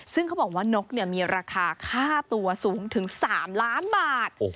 ซึ่งเขาบอกว่านกมีราคาค่าตัวสูงถึง๓ล้านบาท